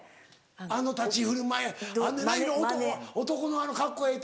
あの立ち居振る舞いあんねんな男のカッコええ